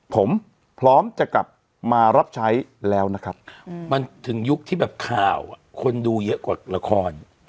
ผมพร้อมจะกลับมารับใช้แล้วถึงยุคที่แบบคาวคนดูเยอะกว่าระคอน